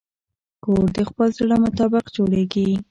کور د خپل زړه مطابق جوړېږي.